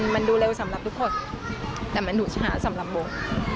มันดูเร็วสำหรับทุกคนแต่มันหนูช้าสำหรับโบ